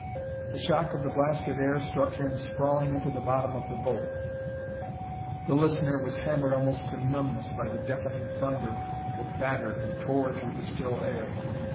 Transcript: The shock of the blasted air struck him sprawling into the bottom of the boat; the listener was hammered almost to numbness by the deafening thunder that battered and tore through the still air.